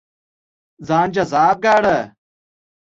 ځان جذاب ګاڼه.